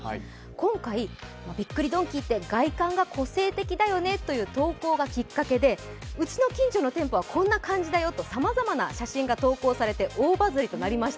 今回、びっくりドンキーって外観が個性的だよねという投稿がきっかけでうちの近所の店舗はこんな感じだよと、さまざまな写真が投稿されて大バズリとなりました。